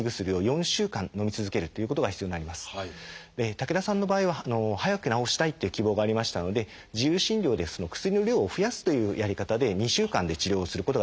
武田さんの場合は早く治したいっていう希望がありましたので自由診療で薬の量を増やすというやり方で２週間で治療をすることができました。